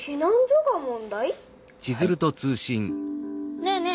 ねえねえ